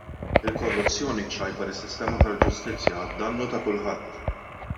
Il-korruzzjoni ċċajpar is-sistema tal-ġustizzja għad-dannu ta' kulħadd.